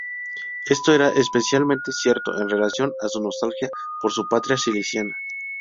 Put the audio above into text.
Esto era especialmente cierto en relación a su nostalgia por su patria siciliana.